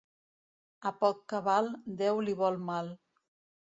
A poc cabal, Déu li vol mal.